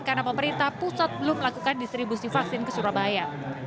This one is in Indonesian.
karena pemerintah pusat belum melakukan distribusi vaksin ke surabaya